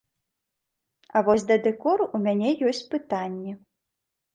А вось да дэкору у мяне ёсць пытанні.